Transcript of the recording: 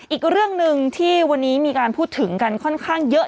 อีกเรื่องหนึ่งที่วันนี้จะพูดถึงกันค่อนข้างเยอะทีเดียว